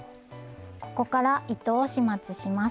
ここから糸を始末します。